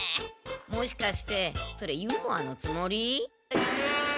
もしかしてそれユーモアのつもり？